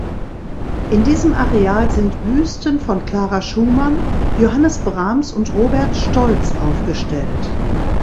In diesem Areal sind Büsten von Clara Schumann, Johannes Brahms und Robert Stolz aufgestellt.